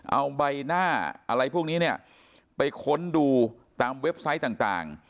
เอาใบหน้าอะไรพวกนี้เนี่ยไปค้นดูตามเว็บไซต์ต่าง